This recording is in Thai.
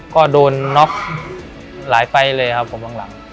ก็โดนน็อคหลายไปเลยครับผมหลัง